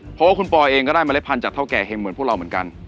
เพราะว่าคุณปอยเองก็ได้เล็ดพันธุแก่เห็งเหมือนพวกเราเหมือนกัน